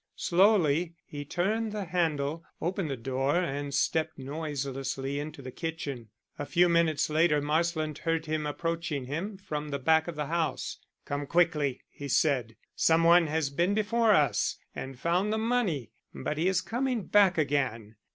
Slowly he turned the handle, opened the door and stepped noiselessly into the kitchen. A few minutes later Marsland heard him approaching him from the back of the house. "Come quickly," he said. "Some one has been before us and found the money, but he is coming back again."